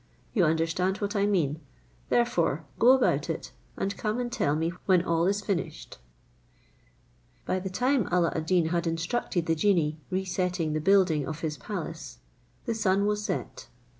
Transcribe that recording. You understand what I mean; therefore go about it, and come and tell me when all is finished." By the time Alla ad Deen had instructed the genie resetting the building of his palace, the sun was set.